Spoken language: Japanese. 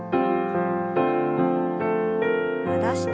戻して。